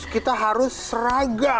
kita harus seragam